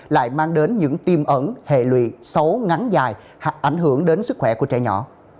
lại mang đến những tiềm ẩn hệ lụy xấu ngắn dài hạn ảnh hưởng đến sức khỏe của trẻ nhỏ